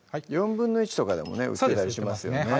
４分の１とかでもね売ってたりしますよね